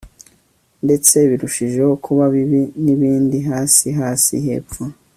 Ndetse birushijeho kuba bibi nibindi hasi hasi hepfo